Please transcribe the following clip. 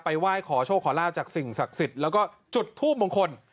ไหว้ขอโชคขอลาบจากสิ่งศักดิ์สิทธิ์แล้วก็จุดทูบมงคล